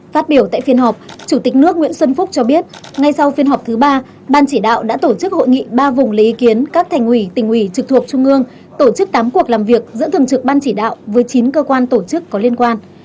phát biểu tại phiên họp chủ tịch nước nguyễn xuân phúc cho biết ngay sau phiên họp thứ ba ban chỉ đạo đã tổ chức hội nghị ba vùng lấy ý kiến các thành ủy tỉnh ủy trực thuộc trung ương tổ chức tám cuộc làm việc giữa thường trực ban chỉ đạo với chín cơ quan tổ chức có liên quan